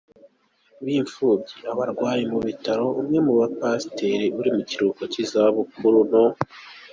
b’imfubyi, abarwayi mu bitaro, umwe mu bapasitori uri mu kiruhuko cy’izabukuru no